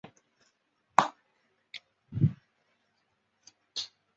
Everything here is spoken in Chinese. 它是美国大学间美式足球比赛历史最悠久的拉锯战奖杯之一。